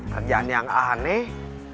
kerjaan yang aneh